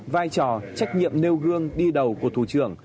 vai trò trách nhiệm nêu gương đi đầu của thủ trưởng